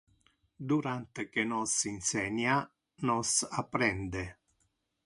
Durante que nos insenia, nos apprende.